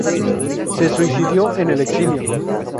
Se suicidó en el exilio.